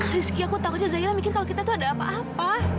rizki aku takutnya zaira mikir kalau kita tuh ada apa apa